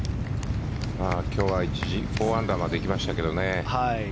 今日は一時４アンダーまで行きましたけどね。